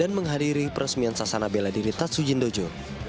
dan menghadiri peresmian sasana beladiri tatsuji dojo